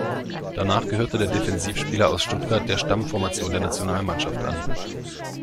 Danach gehörte der Defensivspieler aus Stuttgart der Stammformation der Nationalmannschaft an.